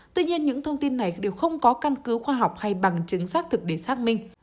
tuy nhiên những thông tin này đều không có căn cứ khoa học hay bằng chứng xác thực để xác minh